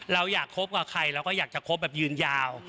เราอยากคบกับใครเราก็อยากจะคบแบบยืนยาว